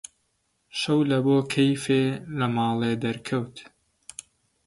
شەو لەبۆ کەیفێ لە ماڵێ دەرکەوت: